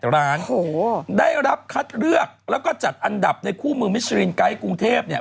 ร้านโอ้โหได้รับคัดเลือกแล้วก็จัดอันดับในคู่เมืองมิสรินไกด์กรุงเทพเนี่ย